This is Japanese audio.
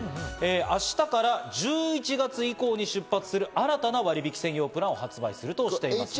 明日から１１月以降に出発する新たな割引専用プランを発売するとしています。